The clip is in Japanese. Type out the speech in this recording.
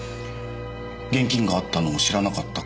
現金があったのを知らなかったか